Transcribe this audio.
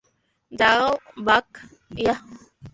যাও, বাক, ইয়াহ।